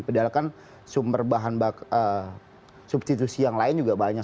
padahal kan sumber bahan substitusi yang lain juga banyak